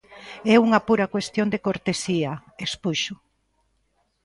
É unha pura cuestión de cortesía, expuxo.